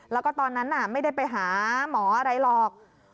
แล้วก็ตอนนั้นไม่ได้ไปหาหมออะไรหรอก